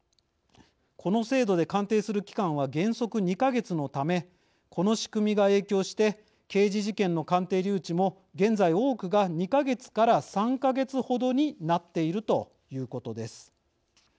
この制度で鑑定する期間は原則２か月のためこの仕組みが影響して刑事事件の鑑定留置も現在多くが２か月から３か月ほどになっているということです。